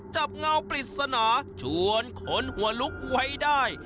เงาปริศนาชวนขนหัวลุกไว้ได้